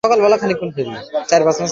সে boyfriend না বড় ভাই।